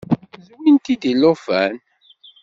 Zwimt-t-id i llufan.